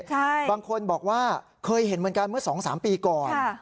ใช่บางคนบอกว่าเคยเห็นเหมือนกันเมื่อสองสามปีก่อน